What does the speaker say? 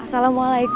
pengen lagi balik